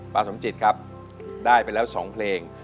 สมจิตครับได้ไปแล้ว๒เพลง